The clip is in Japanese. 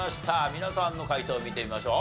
皆さんの解答見てみましょう。